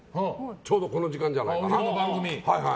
ちょうどこの時間じゃないかな。